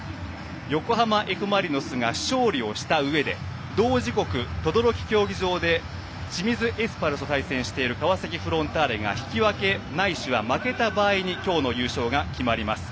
横浜Ｆ・マリノスが勝利を知ったうえで同時刻、等々力競技場で清水エスパルスと対戦している川崎フロンターレが引き分けないし負けた場合今日の優勝が決まります。